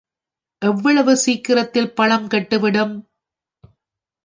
எவ்வளவு சிக்கிரத்தில் பழம் கெட்டுவிடும்!